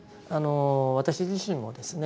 私自身もですね